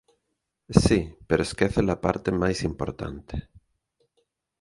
Si, pero esqueces a parte máis importante.